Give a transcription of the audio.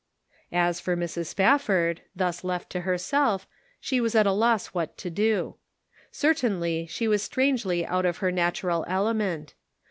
As for Mrs. Spafford, thus left to herself, she was at a loss what to do. Certainly she was strangely out of her natural element.